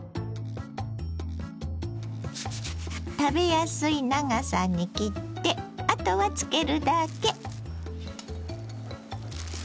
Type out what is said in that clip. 食べやすい長さに切ってあとは漬けるだけ。